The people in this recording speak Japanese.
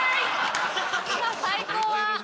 最高は。